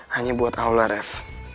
hanya buat allah rev